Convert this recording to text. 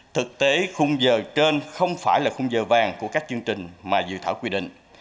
thực tế khung giờ trên không phải là khung giờ vàng của các chương trình mà dự thảo quy định